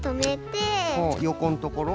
よこんところ？